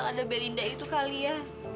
ada belinda itu kali ya